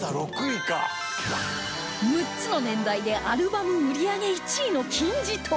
６つの年代でアルバム売り上げ１位の金字塔